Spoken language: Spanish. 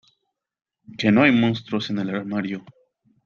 que no hay monstruos en el armario